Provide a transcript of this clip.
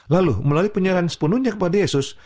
lalu melalui penyiaran sepenuhnya kepada yesus